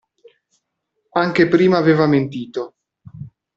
Anche prima aveva mentito.